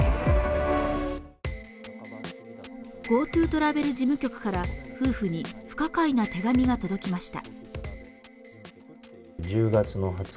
ＧｏＴｏトラベル事務局から夫婦に不可解な手紙が届きました。